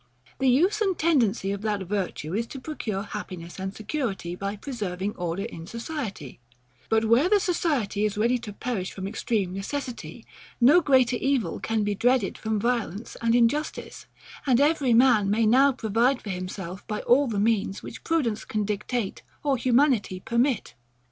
The use and tendency of that virtue is to procure happiness and security, by preserving order in society: but where the society is ready to perish from extreme necessity, no greater evil can be dreaded from violence and injustice; and every man may now provide for himself by all the means, which prudence can dictate, or humanity permit.